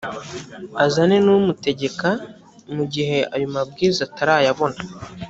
azane n’umutegeka mu gihe ayo mabwiriza atarayabona